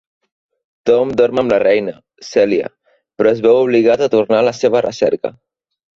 Tom dorm amb la reina, Celia, però es veu obligat a tornar a la seva recerca.